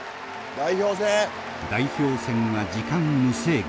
代表戦は時間無制限。